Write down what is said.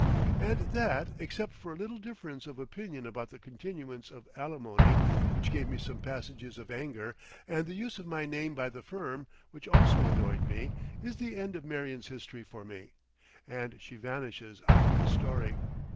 And that, except for a little difference of opinion about the continuance of alimony which gave me some passages of anger, and the use of my name by the firm, which also annoyed me, is the end of Marion's history for me, and she vanishes out of this story.